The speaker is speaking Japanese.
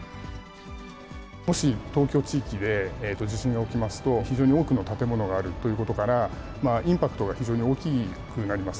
もし東京地域で地震が起きますと、非常に多くの建物があるということから、インパクトが非常に大きくなります。